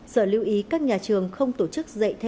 sở lưu ý các nhà trường không tổ chức dạy thêm